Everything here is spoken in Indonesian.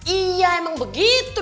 iya emang begitu